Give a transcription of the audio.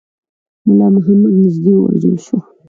مُلا محمد نیژدې ووژل شو.